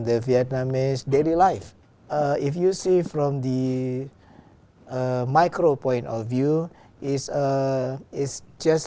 và ở việt nam năm mới đang đến